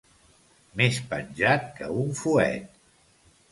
Més penjat que un fuet.